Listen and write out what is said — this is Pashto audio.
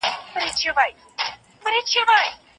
موږ د بېلا بېلو خلکو چلندونه ګورو.